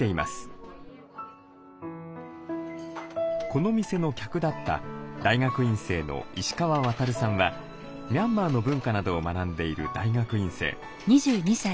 この店の客だった大学院生の石川航さんはミャンマーの文化などを学んでいる大学院生。